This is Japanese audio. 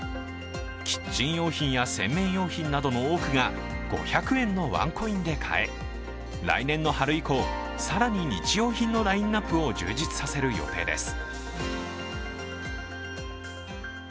キッチン用品や洗面用品などの多くが５００円のワンコインで買え来年の春以降、更に日用品のラインナップを充実させる予定です。